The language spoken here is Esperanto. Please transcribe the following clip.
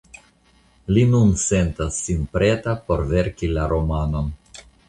Li nun sentas sin preta por verki la romanon.